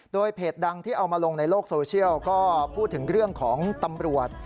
โดยเพจดังที่เอามาลงในโลกโซเชียลก็พูดถึงเรื่องของตำรวจ